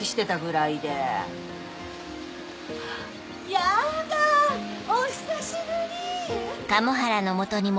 ヤダ！お久しぶり！